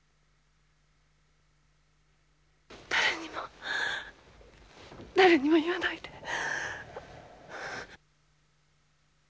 誰にも誰にも言わないで！